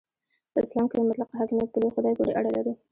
په اسلام کې مطلق حاکمیت په لوی خدای پورې اړه لري.